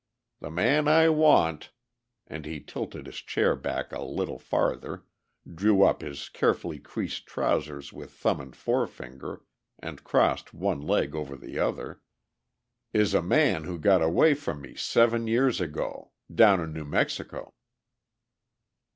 The man I want," and he tilted his chair back a little farther, drew up his carefully creased trousers with thumb and forefinger and crossed one leg over the other, "is a man who got away from me seven years ago. Down in New Mexico."